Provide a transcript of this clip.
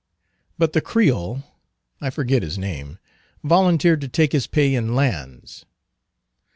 But the Creole—I forget his name—volunteered to take his pay in lands.